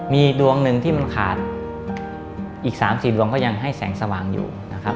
มีดวงหนึ่งที่มันขาดอีก๓๔ดวงก็ยังให้แสงสว่างอยู่นะครับ